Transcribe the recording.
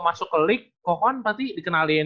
masuk ke league kokoan berarti dikenalin